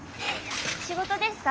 仕事ですか？